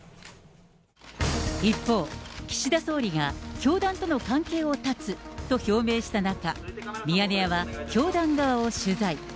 一方、岸田総理が教団との関係を断つと表明した中、ミヤネ屋は、教団側を取材。